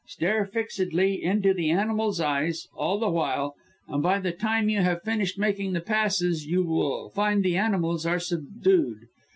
'Stare fixedly into the animal's eyes all the while, and, by the time you have finished making the passes, you will find the animals are subdued.